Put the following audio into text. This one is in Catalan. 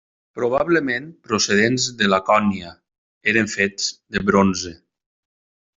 Probablement procedents de Lacònia, eren fets de bronze.